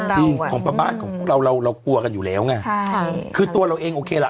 เราปลับบ้านเรากลัวกันอยู่แล้วใช่คือตัวเราเองโอเคหละ